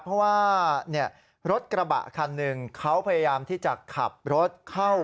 เพราะว่ารถกระบะคันหนึ่งเขาพยายามที่จะขับรถเข้า